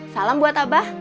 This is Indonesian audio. salam buat abah